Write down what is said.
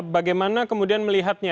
bagaimana kemudian melihatnya